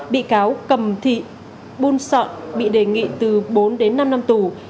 bị cáo cầm thị buôn sọn bị đề nghị từ bốn đến năm năm tù